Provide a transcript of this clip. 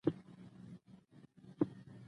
چې هلته د عم حاصلات نه وو او تولید یې ډېر و.